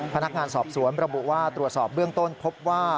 พนักงานสอบสวนระบุว่าตรวจสอบเบื้องต้นพบว่า